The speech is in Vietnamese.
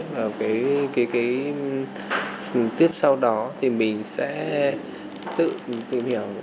đấy và cái tiếp sau đó thì mình sẽ tự tìm hiểu